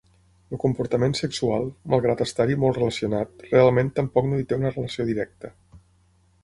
El comportament sexual, malgrat estar-hi molt relacionat, realment tampoc no hi té una relació directa.